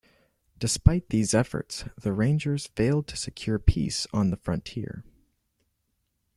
Despite these efforts, the Rangers failed to secure peace on the frontier.